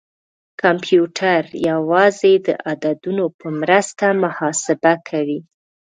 کمپیوټر یوازې د عددونو په مرسته محاسبه کوي.